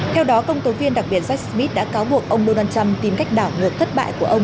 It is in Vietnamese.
theo đó công tố viên đặc biệt jack smith đã cáo buộc ông donald trump tìm cách đảo ngược thất bại của ông